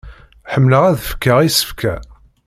Ḥemmleɣ ad fkeɣ isefka.